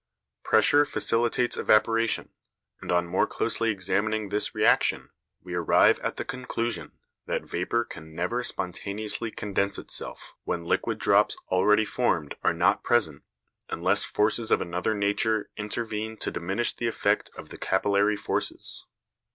Pressure facilitates evaporation, and on more closely examining this reaction we arrive at the conclusion that vapour can never spontaneously condense itself when liquid drops already formed are not present, unless forces of another nature intervene to diminish the effect of the capillary forces.